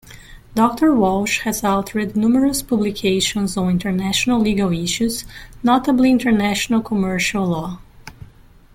Doctor Walch has authored numerous publications on international legal issues, notably international commercial law.